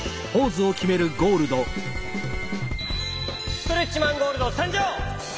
ストレッチマン・ゴールドさんじょう！